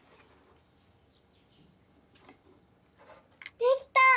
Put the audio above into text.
できた！